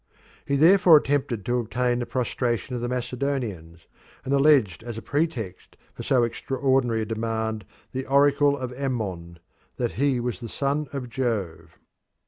He therefore attempted to obtain the prostration of the Macedonians, and alleged as a pretext for so extraordinary a demand the oracle of Ammon that he was the son of Jove.